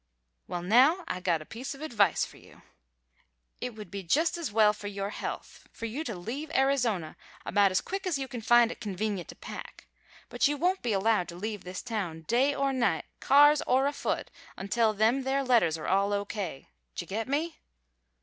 "Well, now I got a piece of advice for you. It would be just as well for your health for you to leave Arizona about as quick as you can find it convenient to pack, but you won't be allowed to leave this town, day or night, cars or afoot, until them there letters are all O.K. Do you get me?"